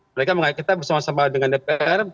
mereka mengajak kita bersama sama dengan dpr